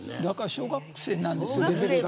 だから、小学生なんですよ。